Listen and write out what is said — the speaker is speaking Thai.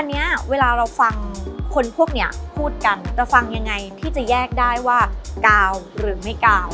อันนี้เวลาเราฟังคนพวกนี้พูดกันจะฟังยังไงที่จะแยกได้ว่ากาวหรือไม่กาว